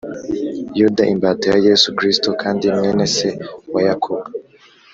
yuda imbata ya yesu kristo kandi mwene se wa yakobo